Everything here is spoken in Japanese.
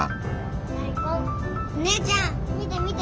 おねえちゃん見て見て！